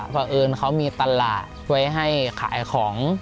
เพราะเอิญเขามีตลาดไว้ให้ขายของ